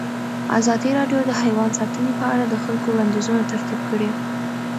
ازادي راډیو د حیوان ساتنه په اړه د خلکو وړاندیزونه ترتیب کړي.